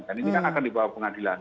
dan ini kan akan dibawa ke pengadilan